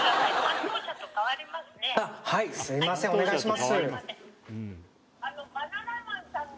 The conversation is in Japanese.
私☎はいすいません失礼します